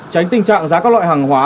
tránh tình trạng giá các loại hàng hóa